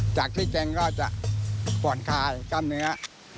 จากที่แจ้งก็จะปวดขากับเนื้อ